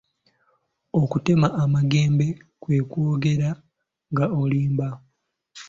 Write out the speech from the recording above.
Okutema amagembe kwe kwogera nga olimba.